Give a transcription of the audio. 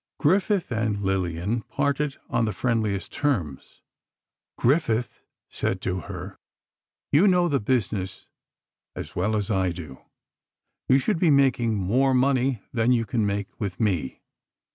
Griffith and Lillian parted on the friendliest terms. Griffith said to her: "You know the business as well as I do. You should be making more money than you can make with me."